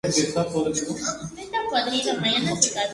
Cada año sale un nuevo número de la serie.